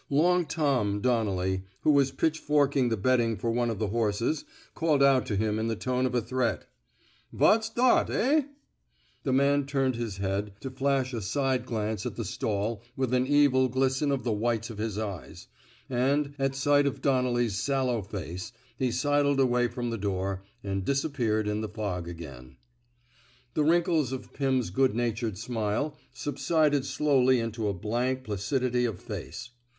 66 ON CIRCUMSTANTIAL EVIDENCE Long Tom *' Donnelly, who was pitch forking the bedding for one of the horses, called out to him in the tone of a threat: '' Vat's dot, ehl " The man turned his head to flash a ^ side glance at the stall with an evil glisten of the whites of his eyes; and, at sight of Donnelly's sallow face, he sidled away from the door, and disappeared in the fog again. The wrinkles of Pim's good natured smile subsided slowly into a blank placidity of face.